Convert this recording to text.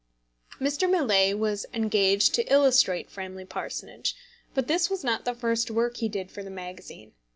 Mr. Millais was engaged to illustrate Framley Parsonage, but this was not the first work he did for the magazine.